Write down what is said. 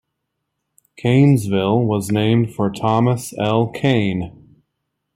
Kanesville was named for Thomas L. Kane.